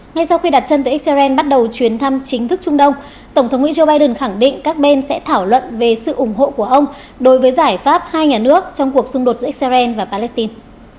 ngay sau khi đặt chân tới israel bắt đầu chuyến thăm chính thức trung đông tổng thống mỹ joe biden khẳng định các bên sẽ thảo luận về sự ủng hộ của ông đối với giải pháp hai nhà nước trong cuộc xung đột giữa israel và palestine